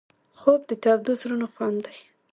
خوب د تودو زړونو خوند دی